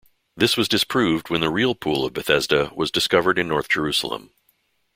This was disproved when the real Pool of Bethesda was discovered in north Jerusalem.